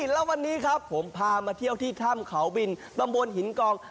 แล้ววันนี้ครับผมพามาเที่ยวที่ถ้ำเขาบินตำบลหินกอง